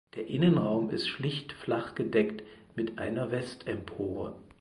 Der Innenraum ist schlicht flachgedeckt mit einer Westempore.